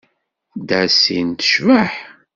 Dassin tecbeḥ.